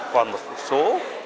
còn một số